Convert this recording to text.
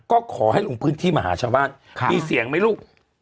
ก็ขอให้ลงพื้นที่มาหาชาวบ้านมีเสียงไหมลูก